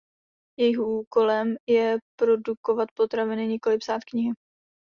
Jejich úkolem je produkovat potraviny, nikoli psát knihy.